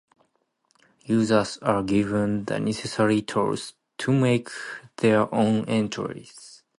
Users are given the necessary tools to make their own entries.